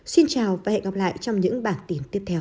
xin chào và hẹn gặp lại trong những bản tin tiếp theo